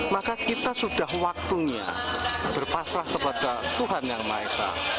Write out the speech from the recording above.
maka kita sudah waktunya berpasrah kepada tuhan yang maha esa